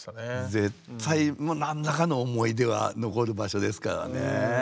絶対何らかの思い出は残る場所ですからね。